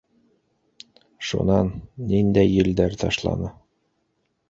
Шунан, ниндәй елдәр ташланы?